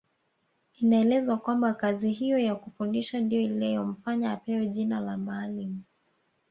Inaelezwa kwamba kazi hiyo ya kufundisha ndiyo iliyomfanya apewe jina la Maalim